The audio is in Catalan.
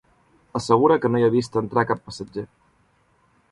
Assegura que no hi ha vist entrar cap passatger.